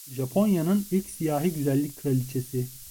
Japonya'nın ilk siyahi güzellik kraliçesi.